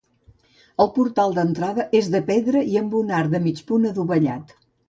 El portal d'entrada és de pedra i amb un arc de mig punt adovellat.